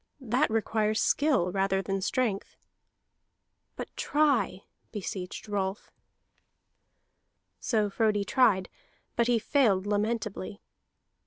That requires skill rather than strength." "But try!" beseeched Rolf. So Frodi tried, but he failed lamentably.